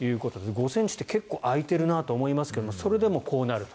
５ｃｍって結構開いていると思いますがそれでもこうなる。